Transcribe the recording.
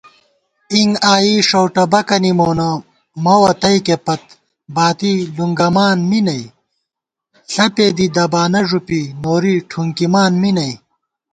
اِنگ آئی ݭؤٹہ بَکَنی مونہ مَوَہ تئیکے پت باتی لُنگَمان می نئ * ݪپے دی دبانہ ݫُپی نوری ٹھونکِمنان می نئ